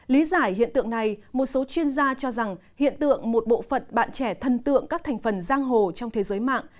lý giải hiện tượng này một số chuyên gia cho rằng hiện tượng một bộ phận bạn trẻ thân tượng các thành phần giang hồ trong thế giới mạng